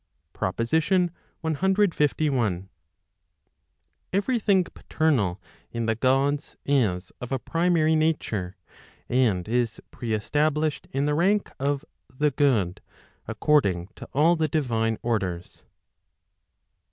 PROPOSITION CLI. Every thing paternal in the Gods is of a primary nature, and is pre established in the rank of the good, according to all the divine orders.